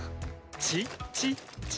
チッチッチ！